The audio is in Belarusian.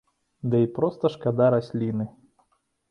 Ды і проста шкада расліны.